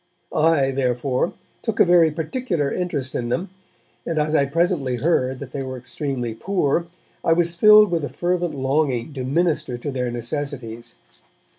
I, therefore, took a very particular interest in them, and as I presently heard that they were extremely poor, I was filled with a fervent longing to minister to their necessities.